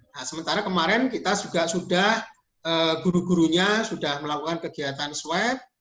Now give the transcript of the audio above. nah sementara kemarin kita juga sudah guru gurunya sudah melakukan kegiatan swab